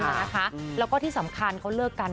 แล้วก็ที่สำคัญเขาเลิกกัน